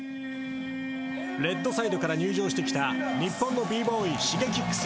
レッドサイドから入場してきた日本のＢ−ＢＯＹＳｈｉｇｅｋｉｘ。